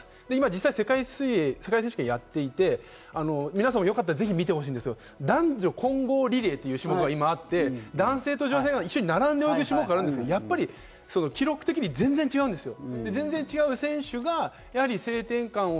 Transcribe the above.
実際、世界選手権やっていて、皆さんもよかったら見てほしいんですけれども、男女混合リレーという種目が今あって、男性と女性が一緒に並んで泳ぐ種目があるんですけれども、記録的に全然違うんですよ。